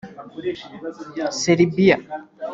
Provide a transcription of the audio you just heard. Serbia